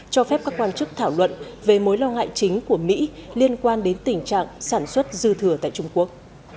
cho phép các quan chức thảo luận về mối lo ngại chính của mỹ liên quan đến tình trạng sản xuất dư thừa tại trung quốc